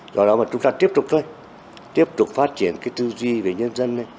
do đó mà chúng ta tiếp tục thôi tiếp tục phát triển cái tư duy về nhân dân